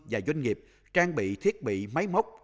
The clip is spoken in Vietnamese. và doanh nghiệp trang bị thiết bị máy móc